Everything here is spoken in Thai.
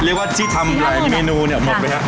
เรียกว่าที่ทำหลายเมนูหมดไปค่ะ